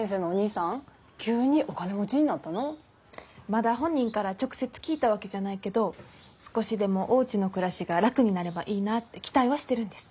まだ本人から直接聞いたわけじゃないけど少しでもおうちの暮らしが楽になればいいなって期待はしてるんです。